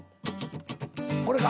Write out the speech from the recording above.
これか？